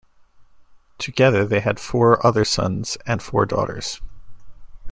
Together they had four other sons and four daughters.